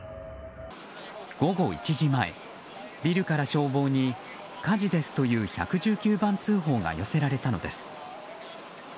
午後１時前、ビルから消防に火事ですという１１９番通報が寄せられたのです。